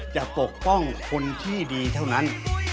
ปกป้องคนที่ดีเท่านั้น